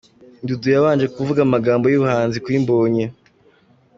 Dudu yabanje kuvuga amagambo y'ubuhanuzi kuri Mbonyi.